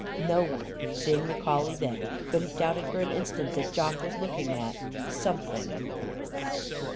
No one, seeing the collie then, could have doubted for an instant that Jock was looking at _Something!